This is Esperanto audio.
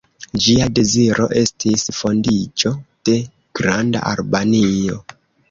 Ĝia deziro estis fondiĝo de Granda Albanio.